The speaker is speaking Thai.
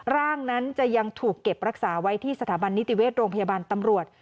ร่างนั้นจะยังถูกเก็บรักษาไว้ที่สถาบันนิติเวชโรงพยาบาลตำรวจ